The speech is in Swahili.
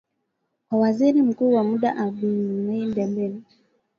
kwa Waziri Mkuu wa muda Abdulhamid Dbeibah